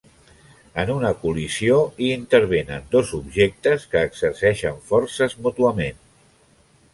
En una col·lisió hi intervenen dos objectes que exerceixen forces mútuament.